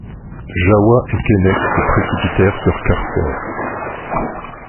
Jahoua et Keinec se précipitèrent sur Carfor.